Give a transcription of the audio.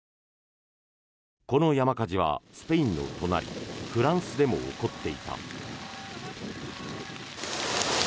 この山火事はスペインの隣フランスでも起こっていた。